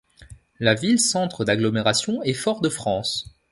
La ville-centre d'agglomération est Fort-de-France.